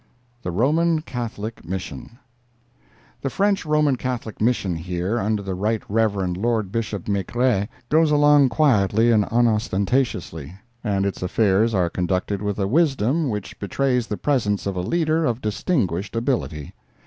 THE ROMAN CATHOLIC MISSION The French Roman Catholic Mission here, under the Right Reverend Lord Bishop Maigret, goes along quietly and unostentatiously; and its affairs are conducted with a wisdom which betrays the presence of a leader of distinguished ability.